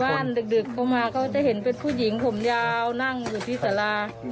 ขอบบ้านดึกพอมาก็เห็นผู้หญิงผมยาวนั่งอยู่ที่สาลา